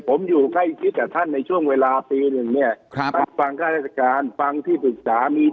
ผมอยู่ใกล้ทิศแบบท่านในช่วงเวลาปีหนึ่งนี้